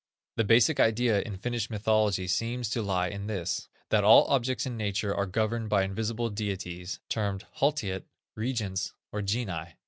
The basic idea in Finnish mythology seems to lie in this: that all objects in nature are governed by invisible deities, termed haltiat, regents or genii.